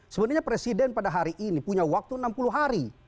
sebenarnya presiden pada hari ini punya waktu enam puluh hari